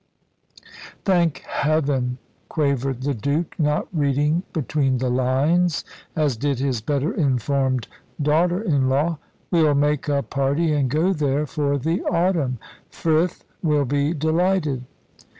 "Thank heaven," quavered the Duke, not reading between the lines, as did his better informed daughter in law. "We'll make a party and go there for the autumn. Frith will be delighted."